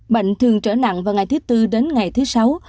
bệnh thường trở nặng vào ngày thứ tư đến ngày thứ sáu